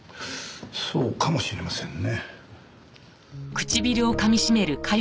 そうかもしれませんね。